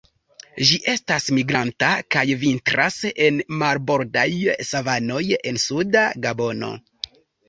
Ĝi estas migranta, kaj vintras en marbordaj savanoj en suda Gabono.